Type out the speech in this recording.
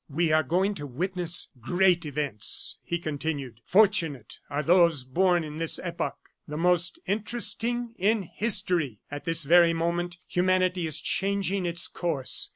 "We are going to witness great events," he continued. "Fortunate are those born in this epoch, the most interesting in history! At this very moment, humanity is changing its course.